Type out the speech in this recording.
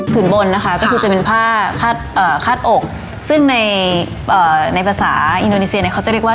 บนนะคะก็คือจะเป็นผ้าคาดอกซึ่งในภาษาอินโดนีเซียเนี่ยเขาจะเรียกว่า